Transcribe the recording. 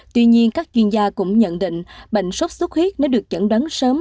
tuy nhiên các chuyên gia cũng nhận định bệnh sốt xuất huyết nếu được chẩn đoán sớm